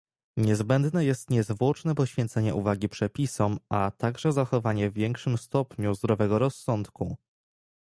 Niezbędne jest niezwłoczne poświęcenie uwagi przepisom, a także zachowanie w większym stopniu zdrowego rozsądku